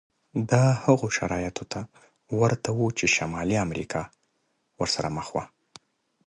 دا هغو شرایطو ته ورته و چې شمالي امریکا ورسره مخ وه.